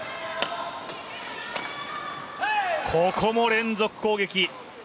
ここも連続攻撃。